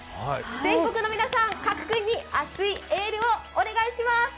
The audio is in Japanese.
全国の皆さん加来君に熱いエールをお願いします。